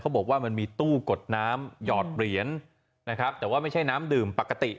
บอกว่ามันมีตู้กดน้ำหยอดเหรียญนะครับแต่ว่าไม่ใช่น้ำดื่มปกติ